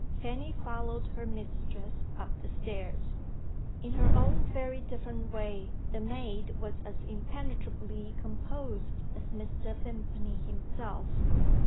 Fanny followed her mistress up the stairs. In her own very different way, the maid was as impenetrably composed as Mr. Vimpany himself.